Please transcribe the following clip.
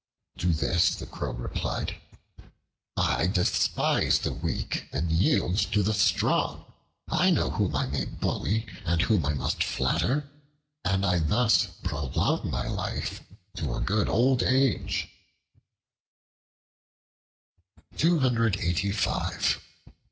To this the Crow replied, "I despise the weak and yield to the strong. I know whom I may bully and whom I must flatter; and I thus prolong my life to a good old age."